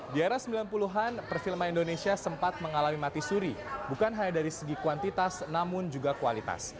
di era sembilan puluh an perfilman indonesia sempat mengalami mati suri bukan hanya dari segi kuantitas namun juga kualitas